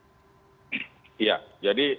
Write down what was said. jadi selama ini yang kita lakukan adalah